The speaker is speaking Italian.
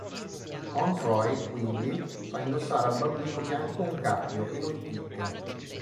Onfroy, quindi, fa indossare al bambino bianco un cappio, e lo impicca.